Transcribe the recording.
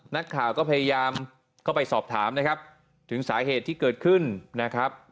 นักข่าวก็พยายามเข้าไปสอบถามนะครับถึงสาเหตุที่เกิดขึ้นนะครับ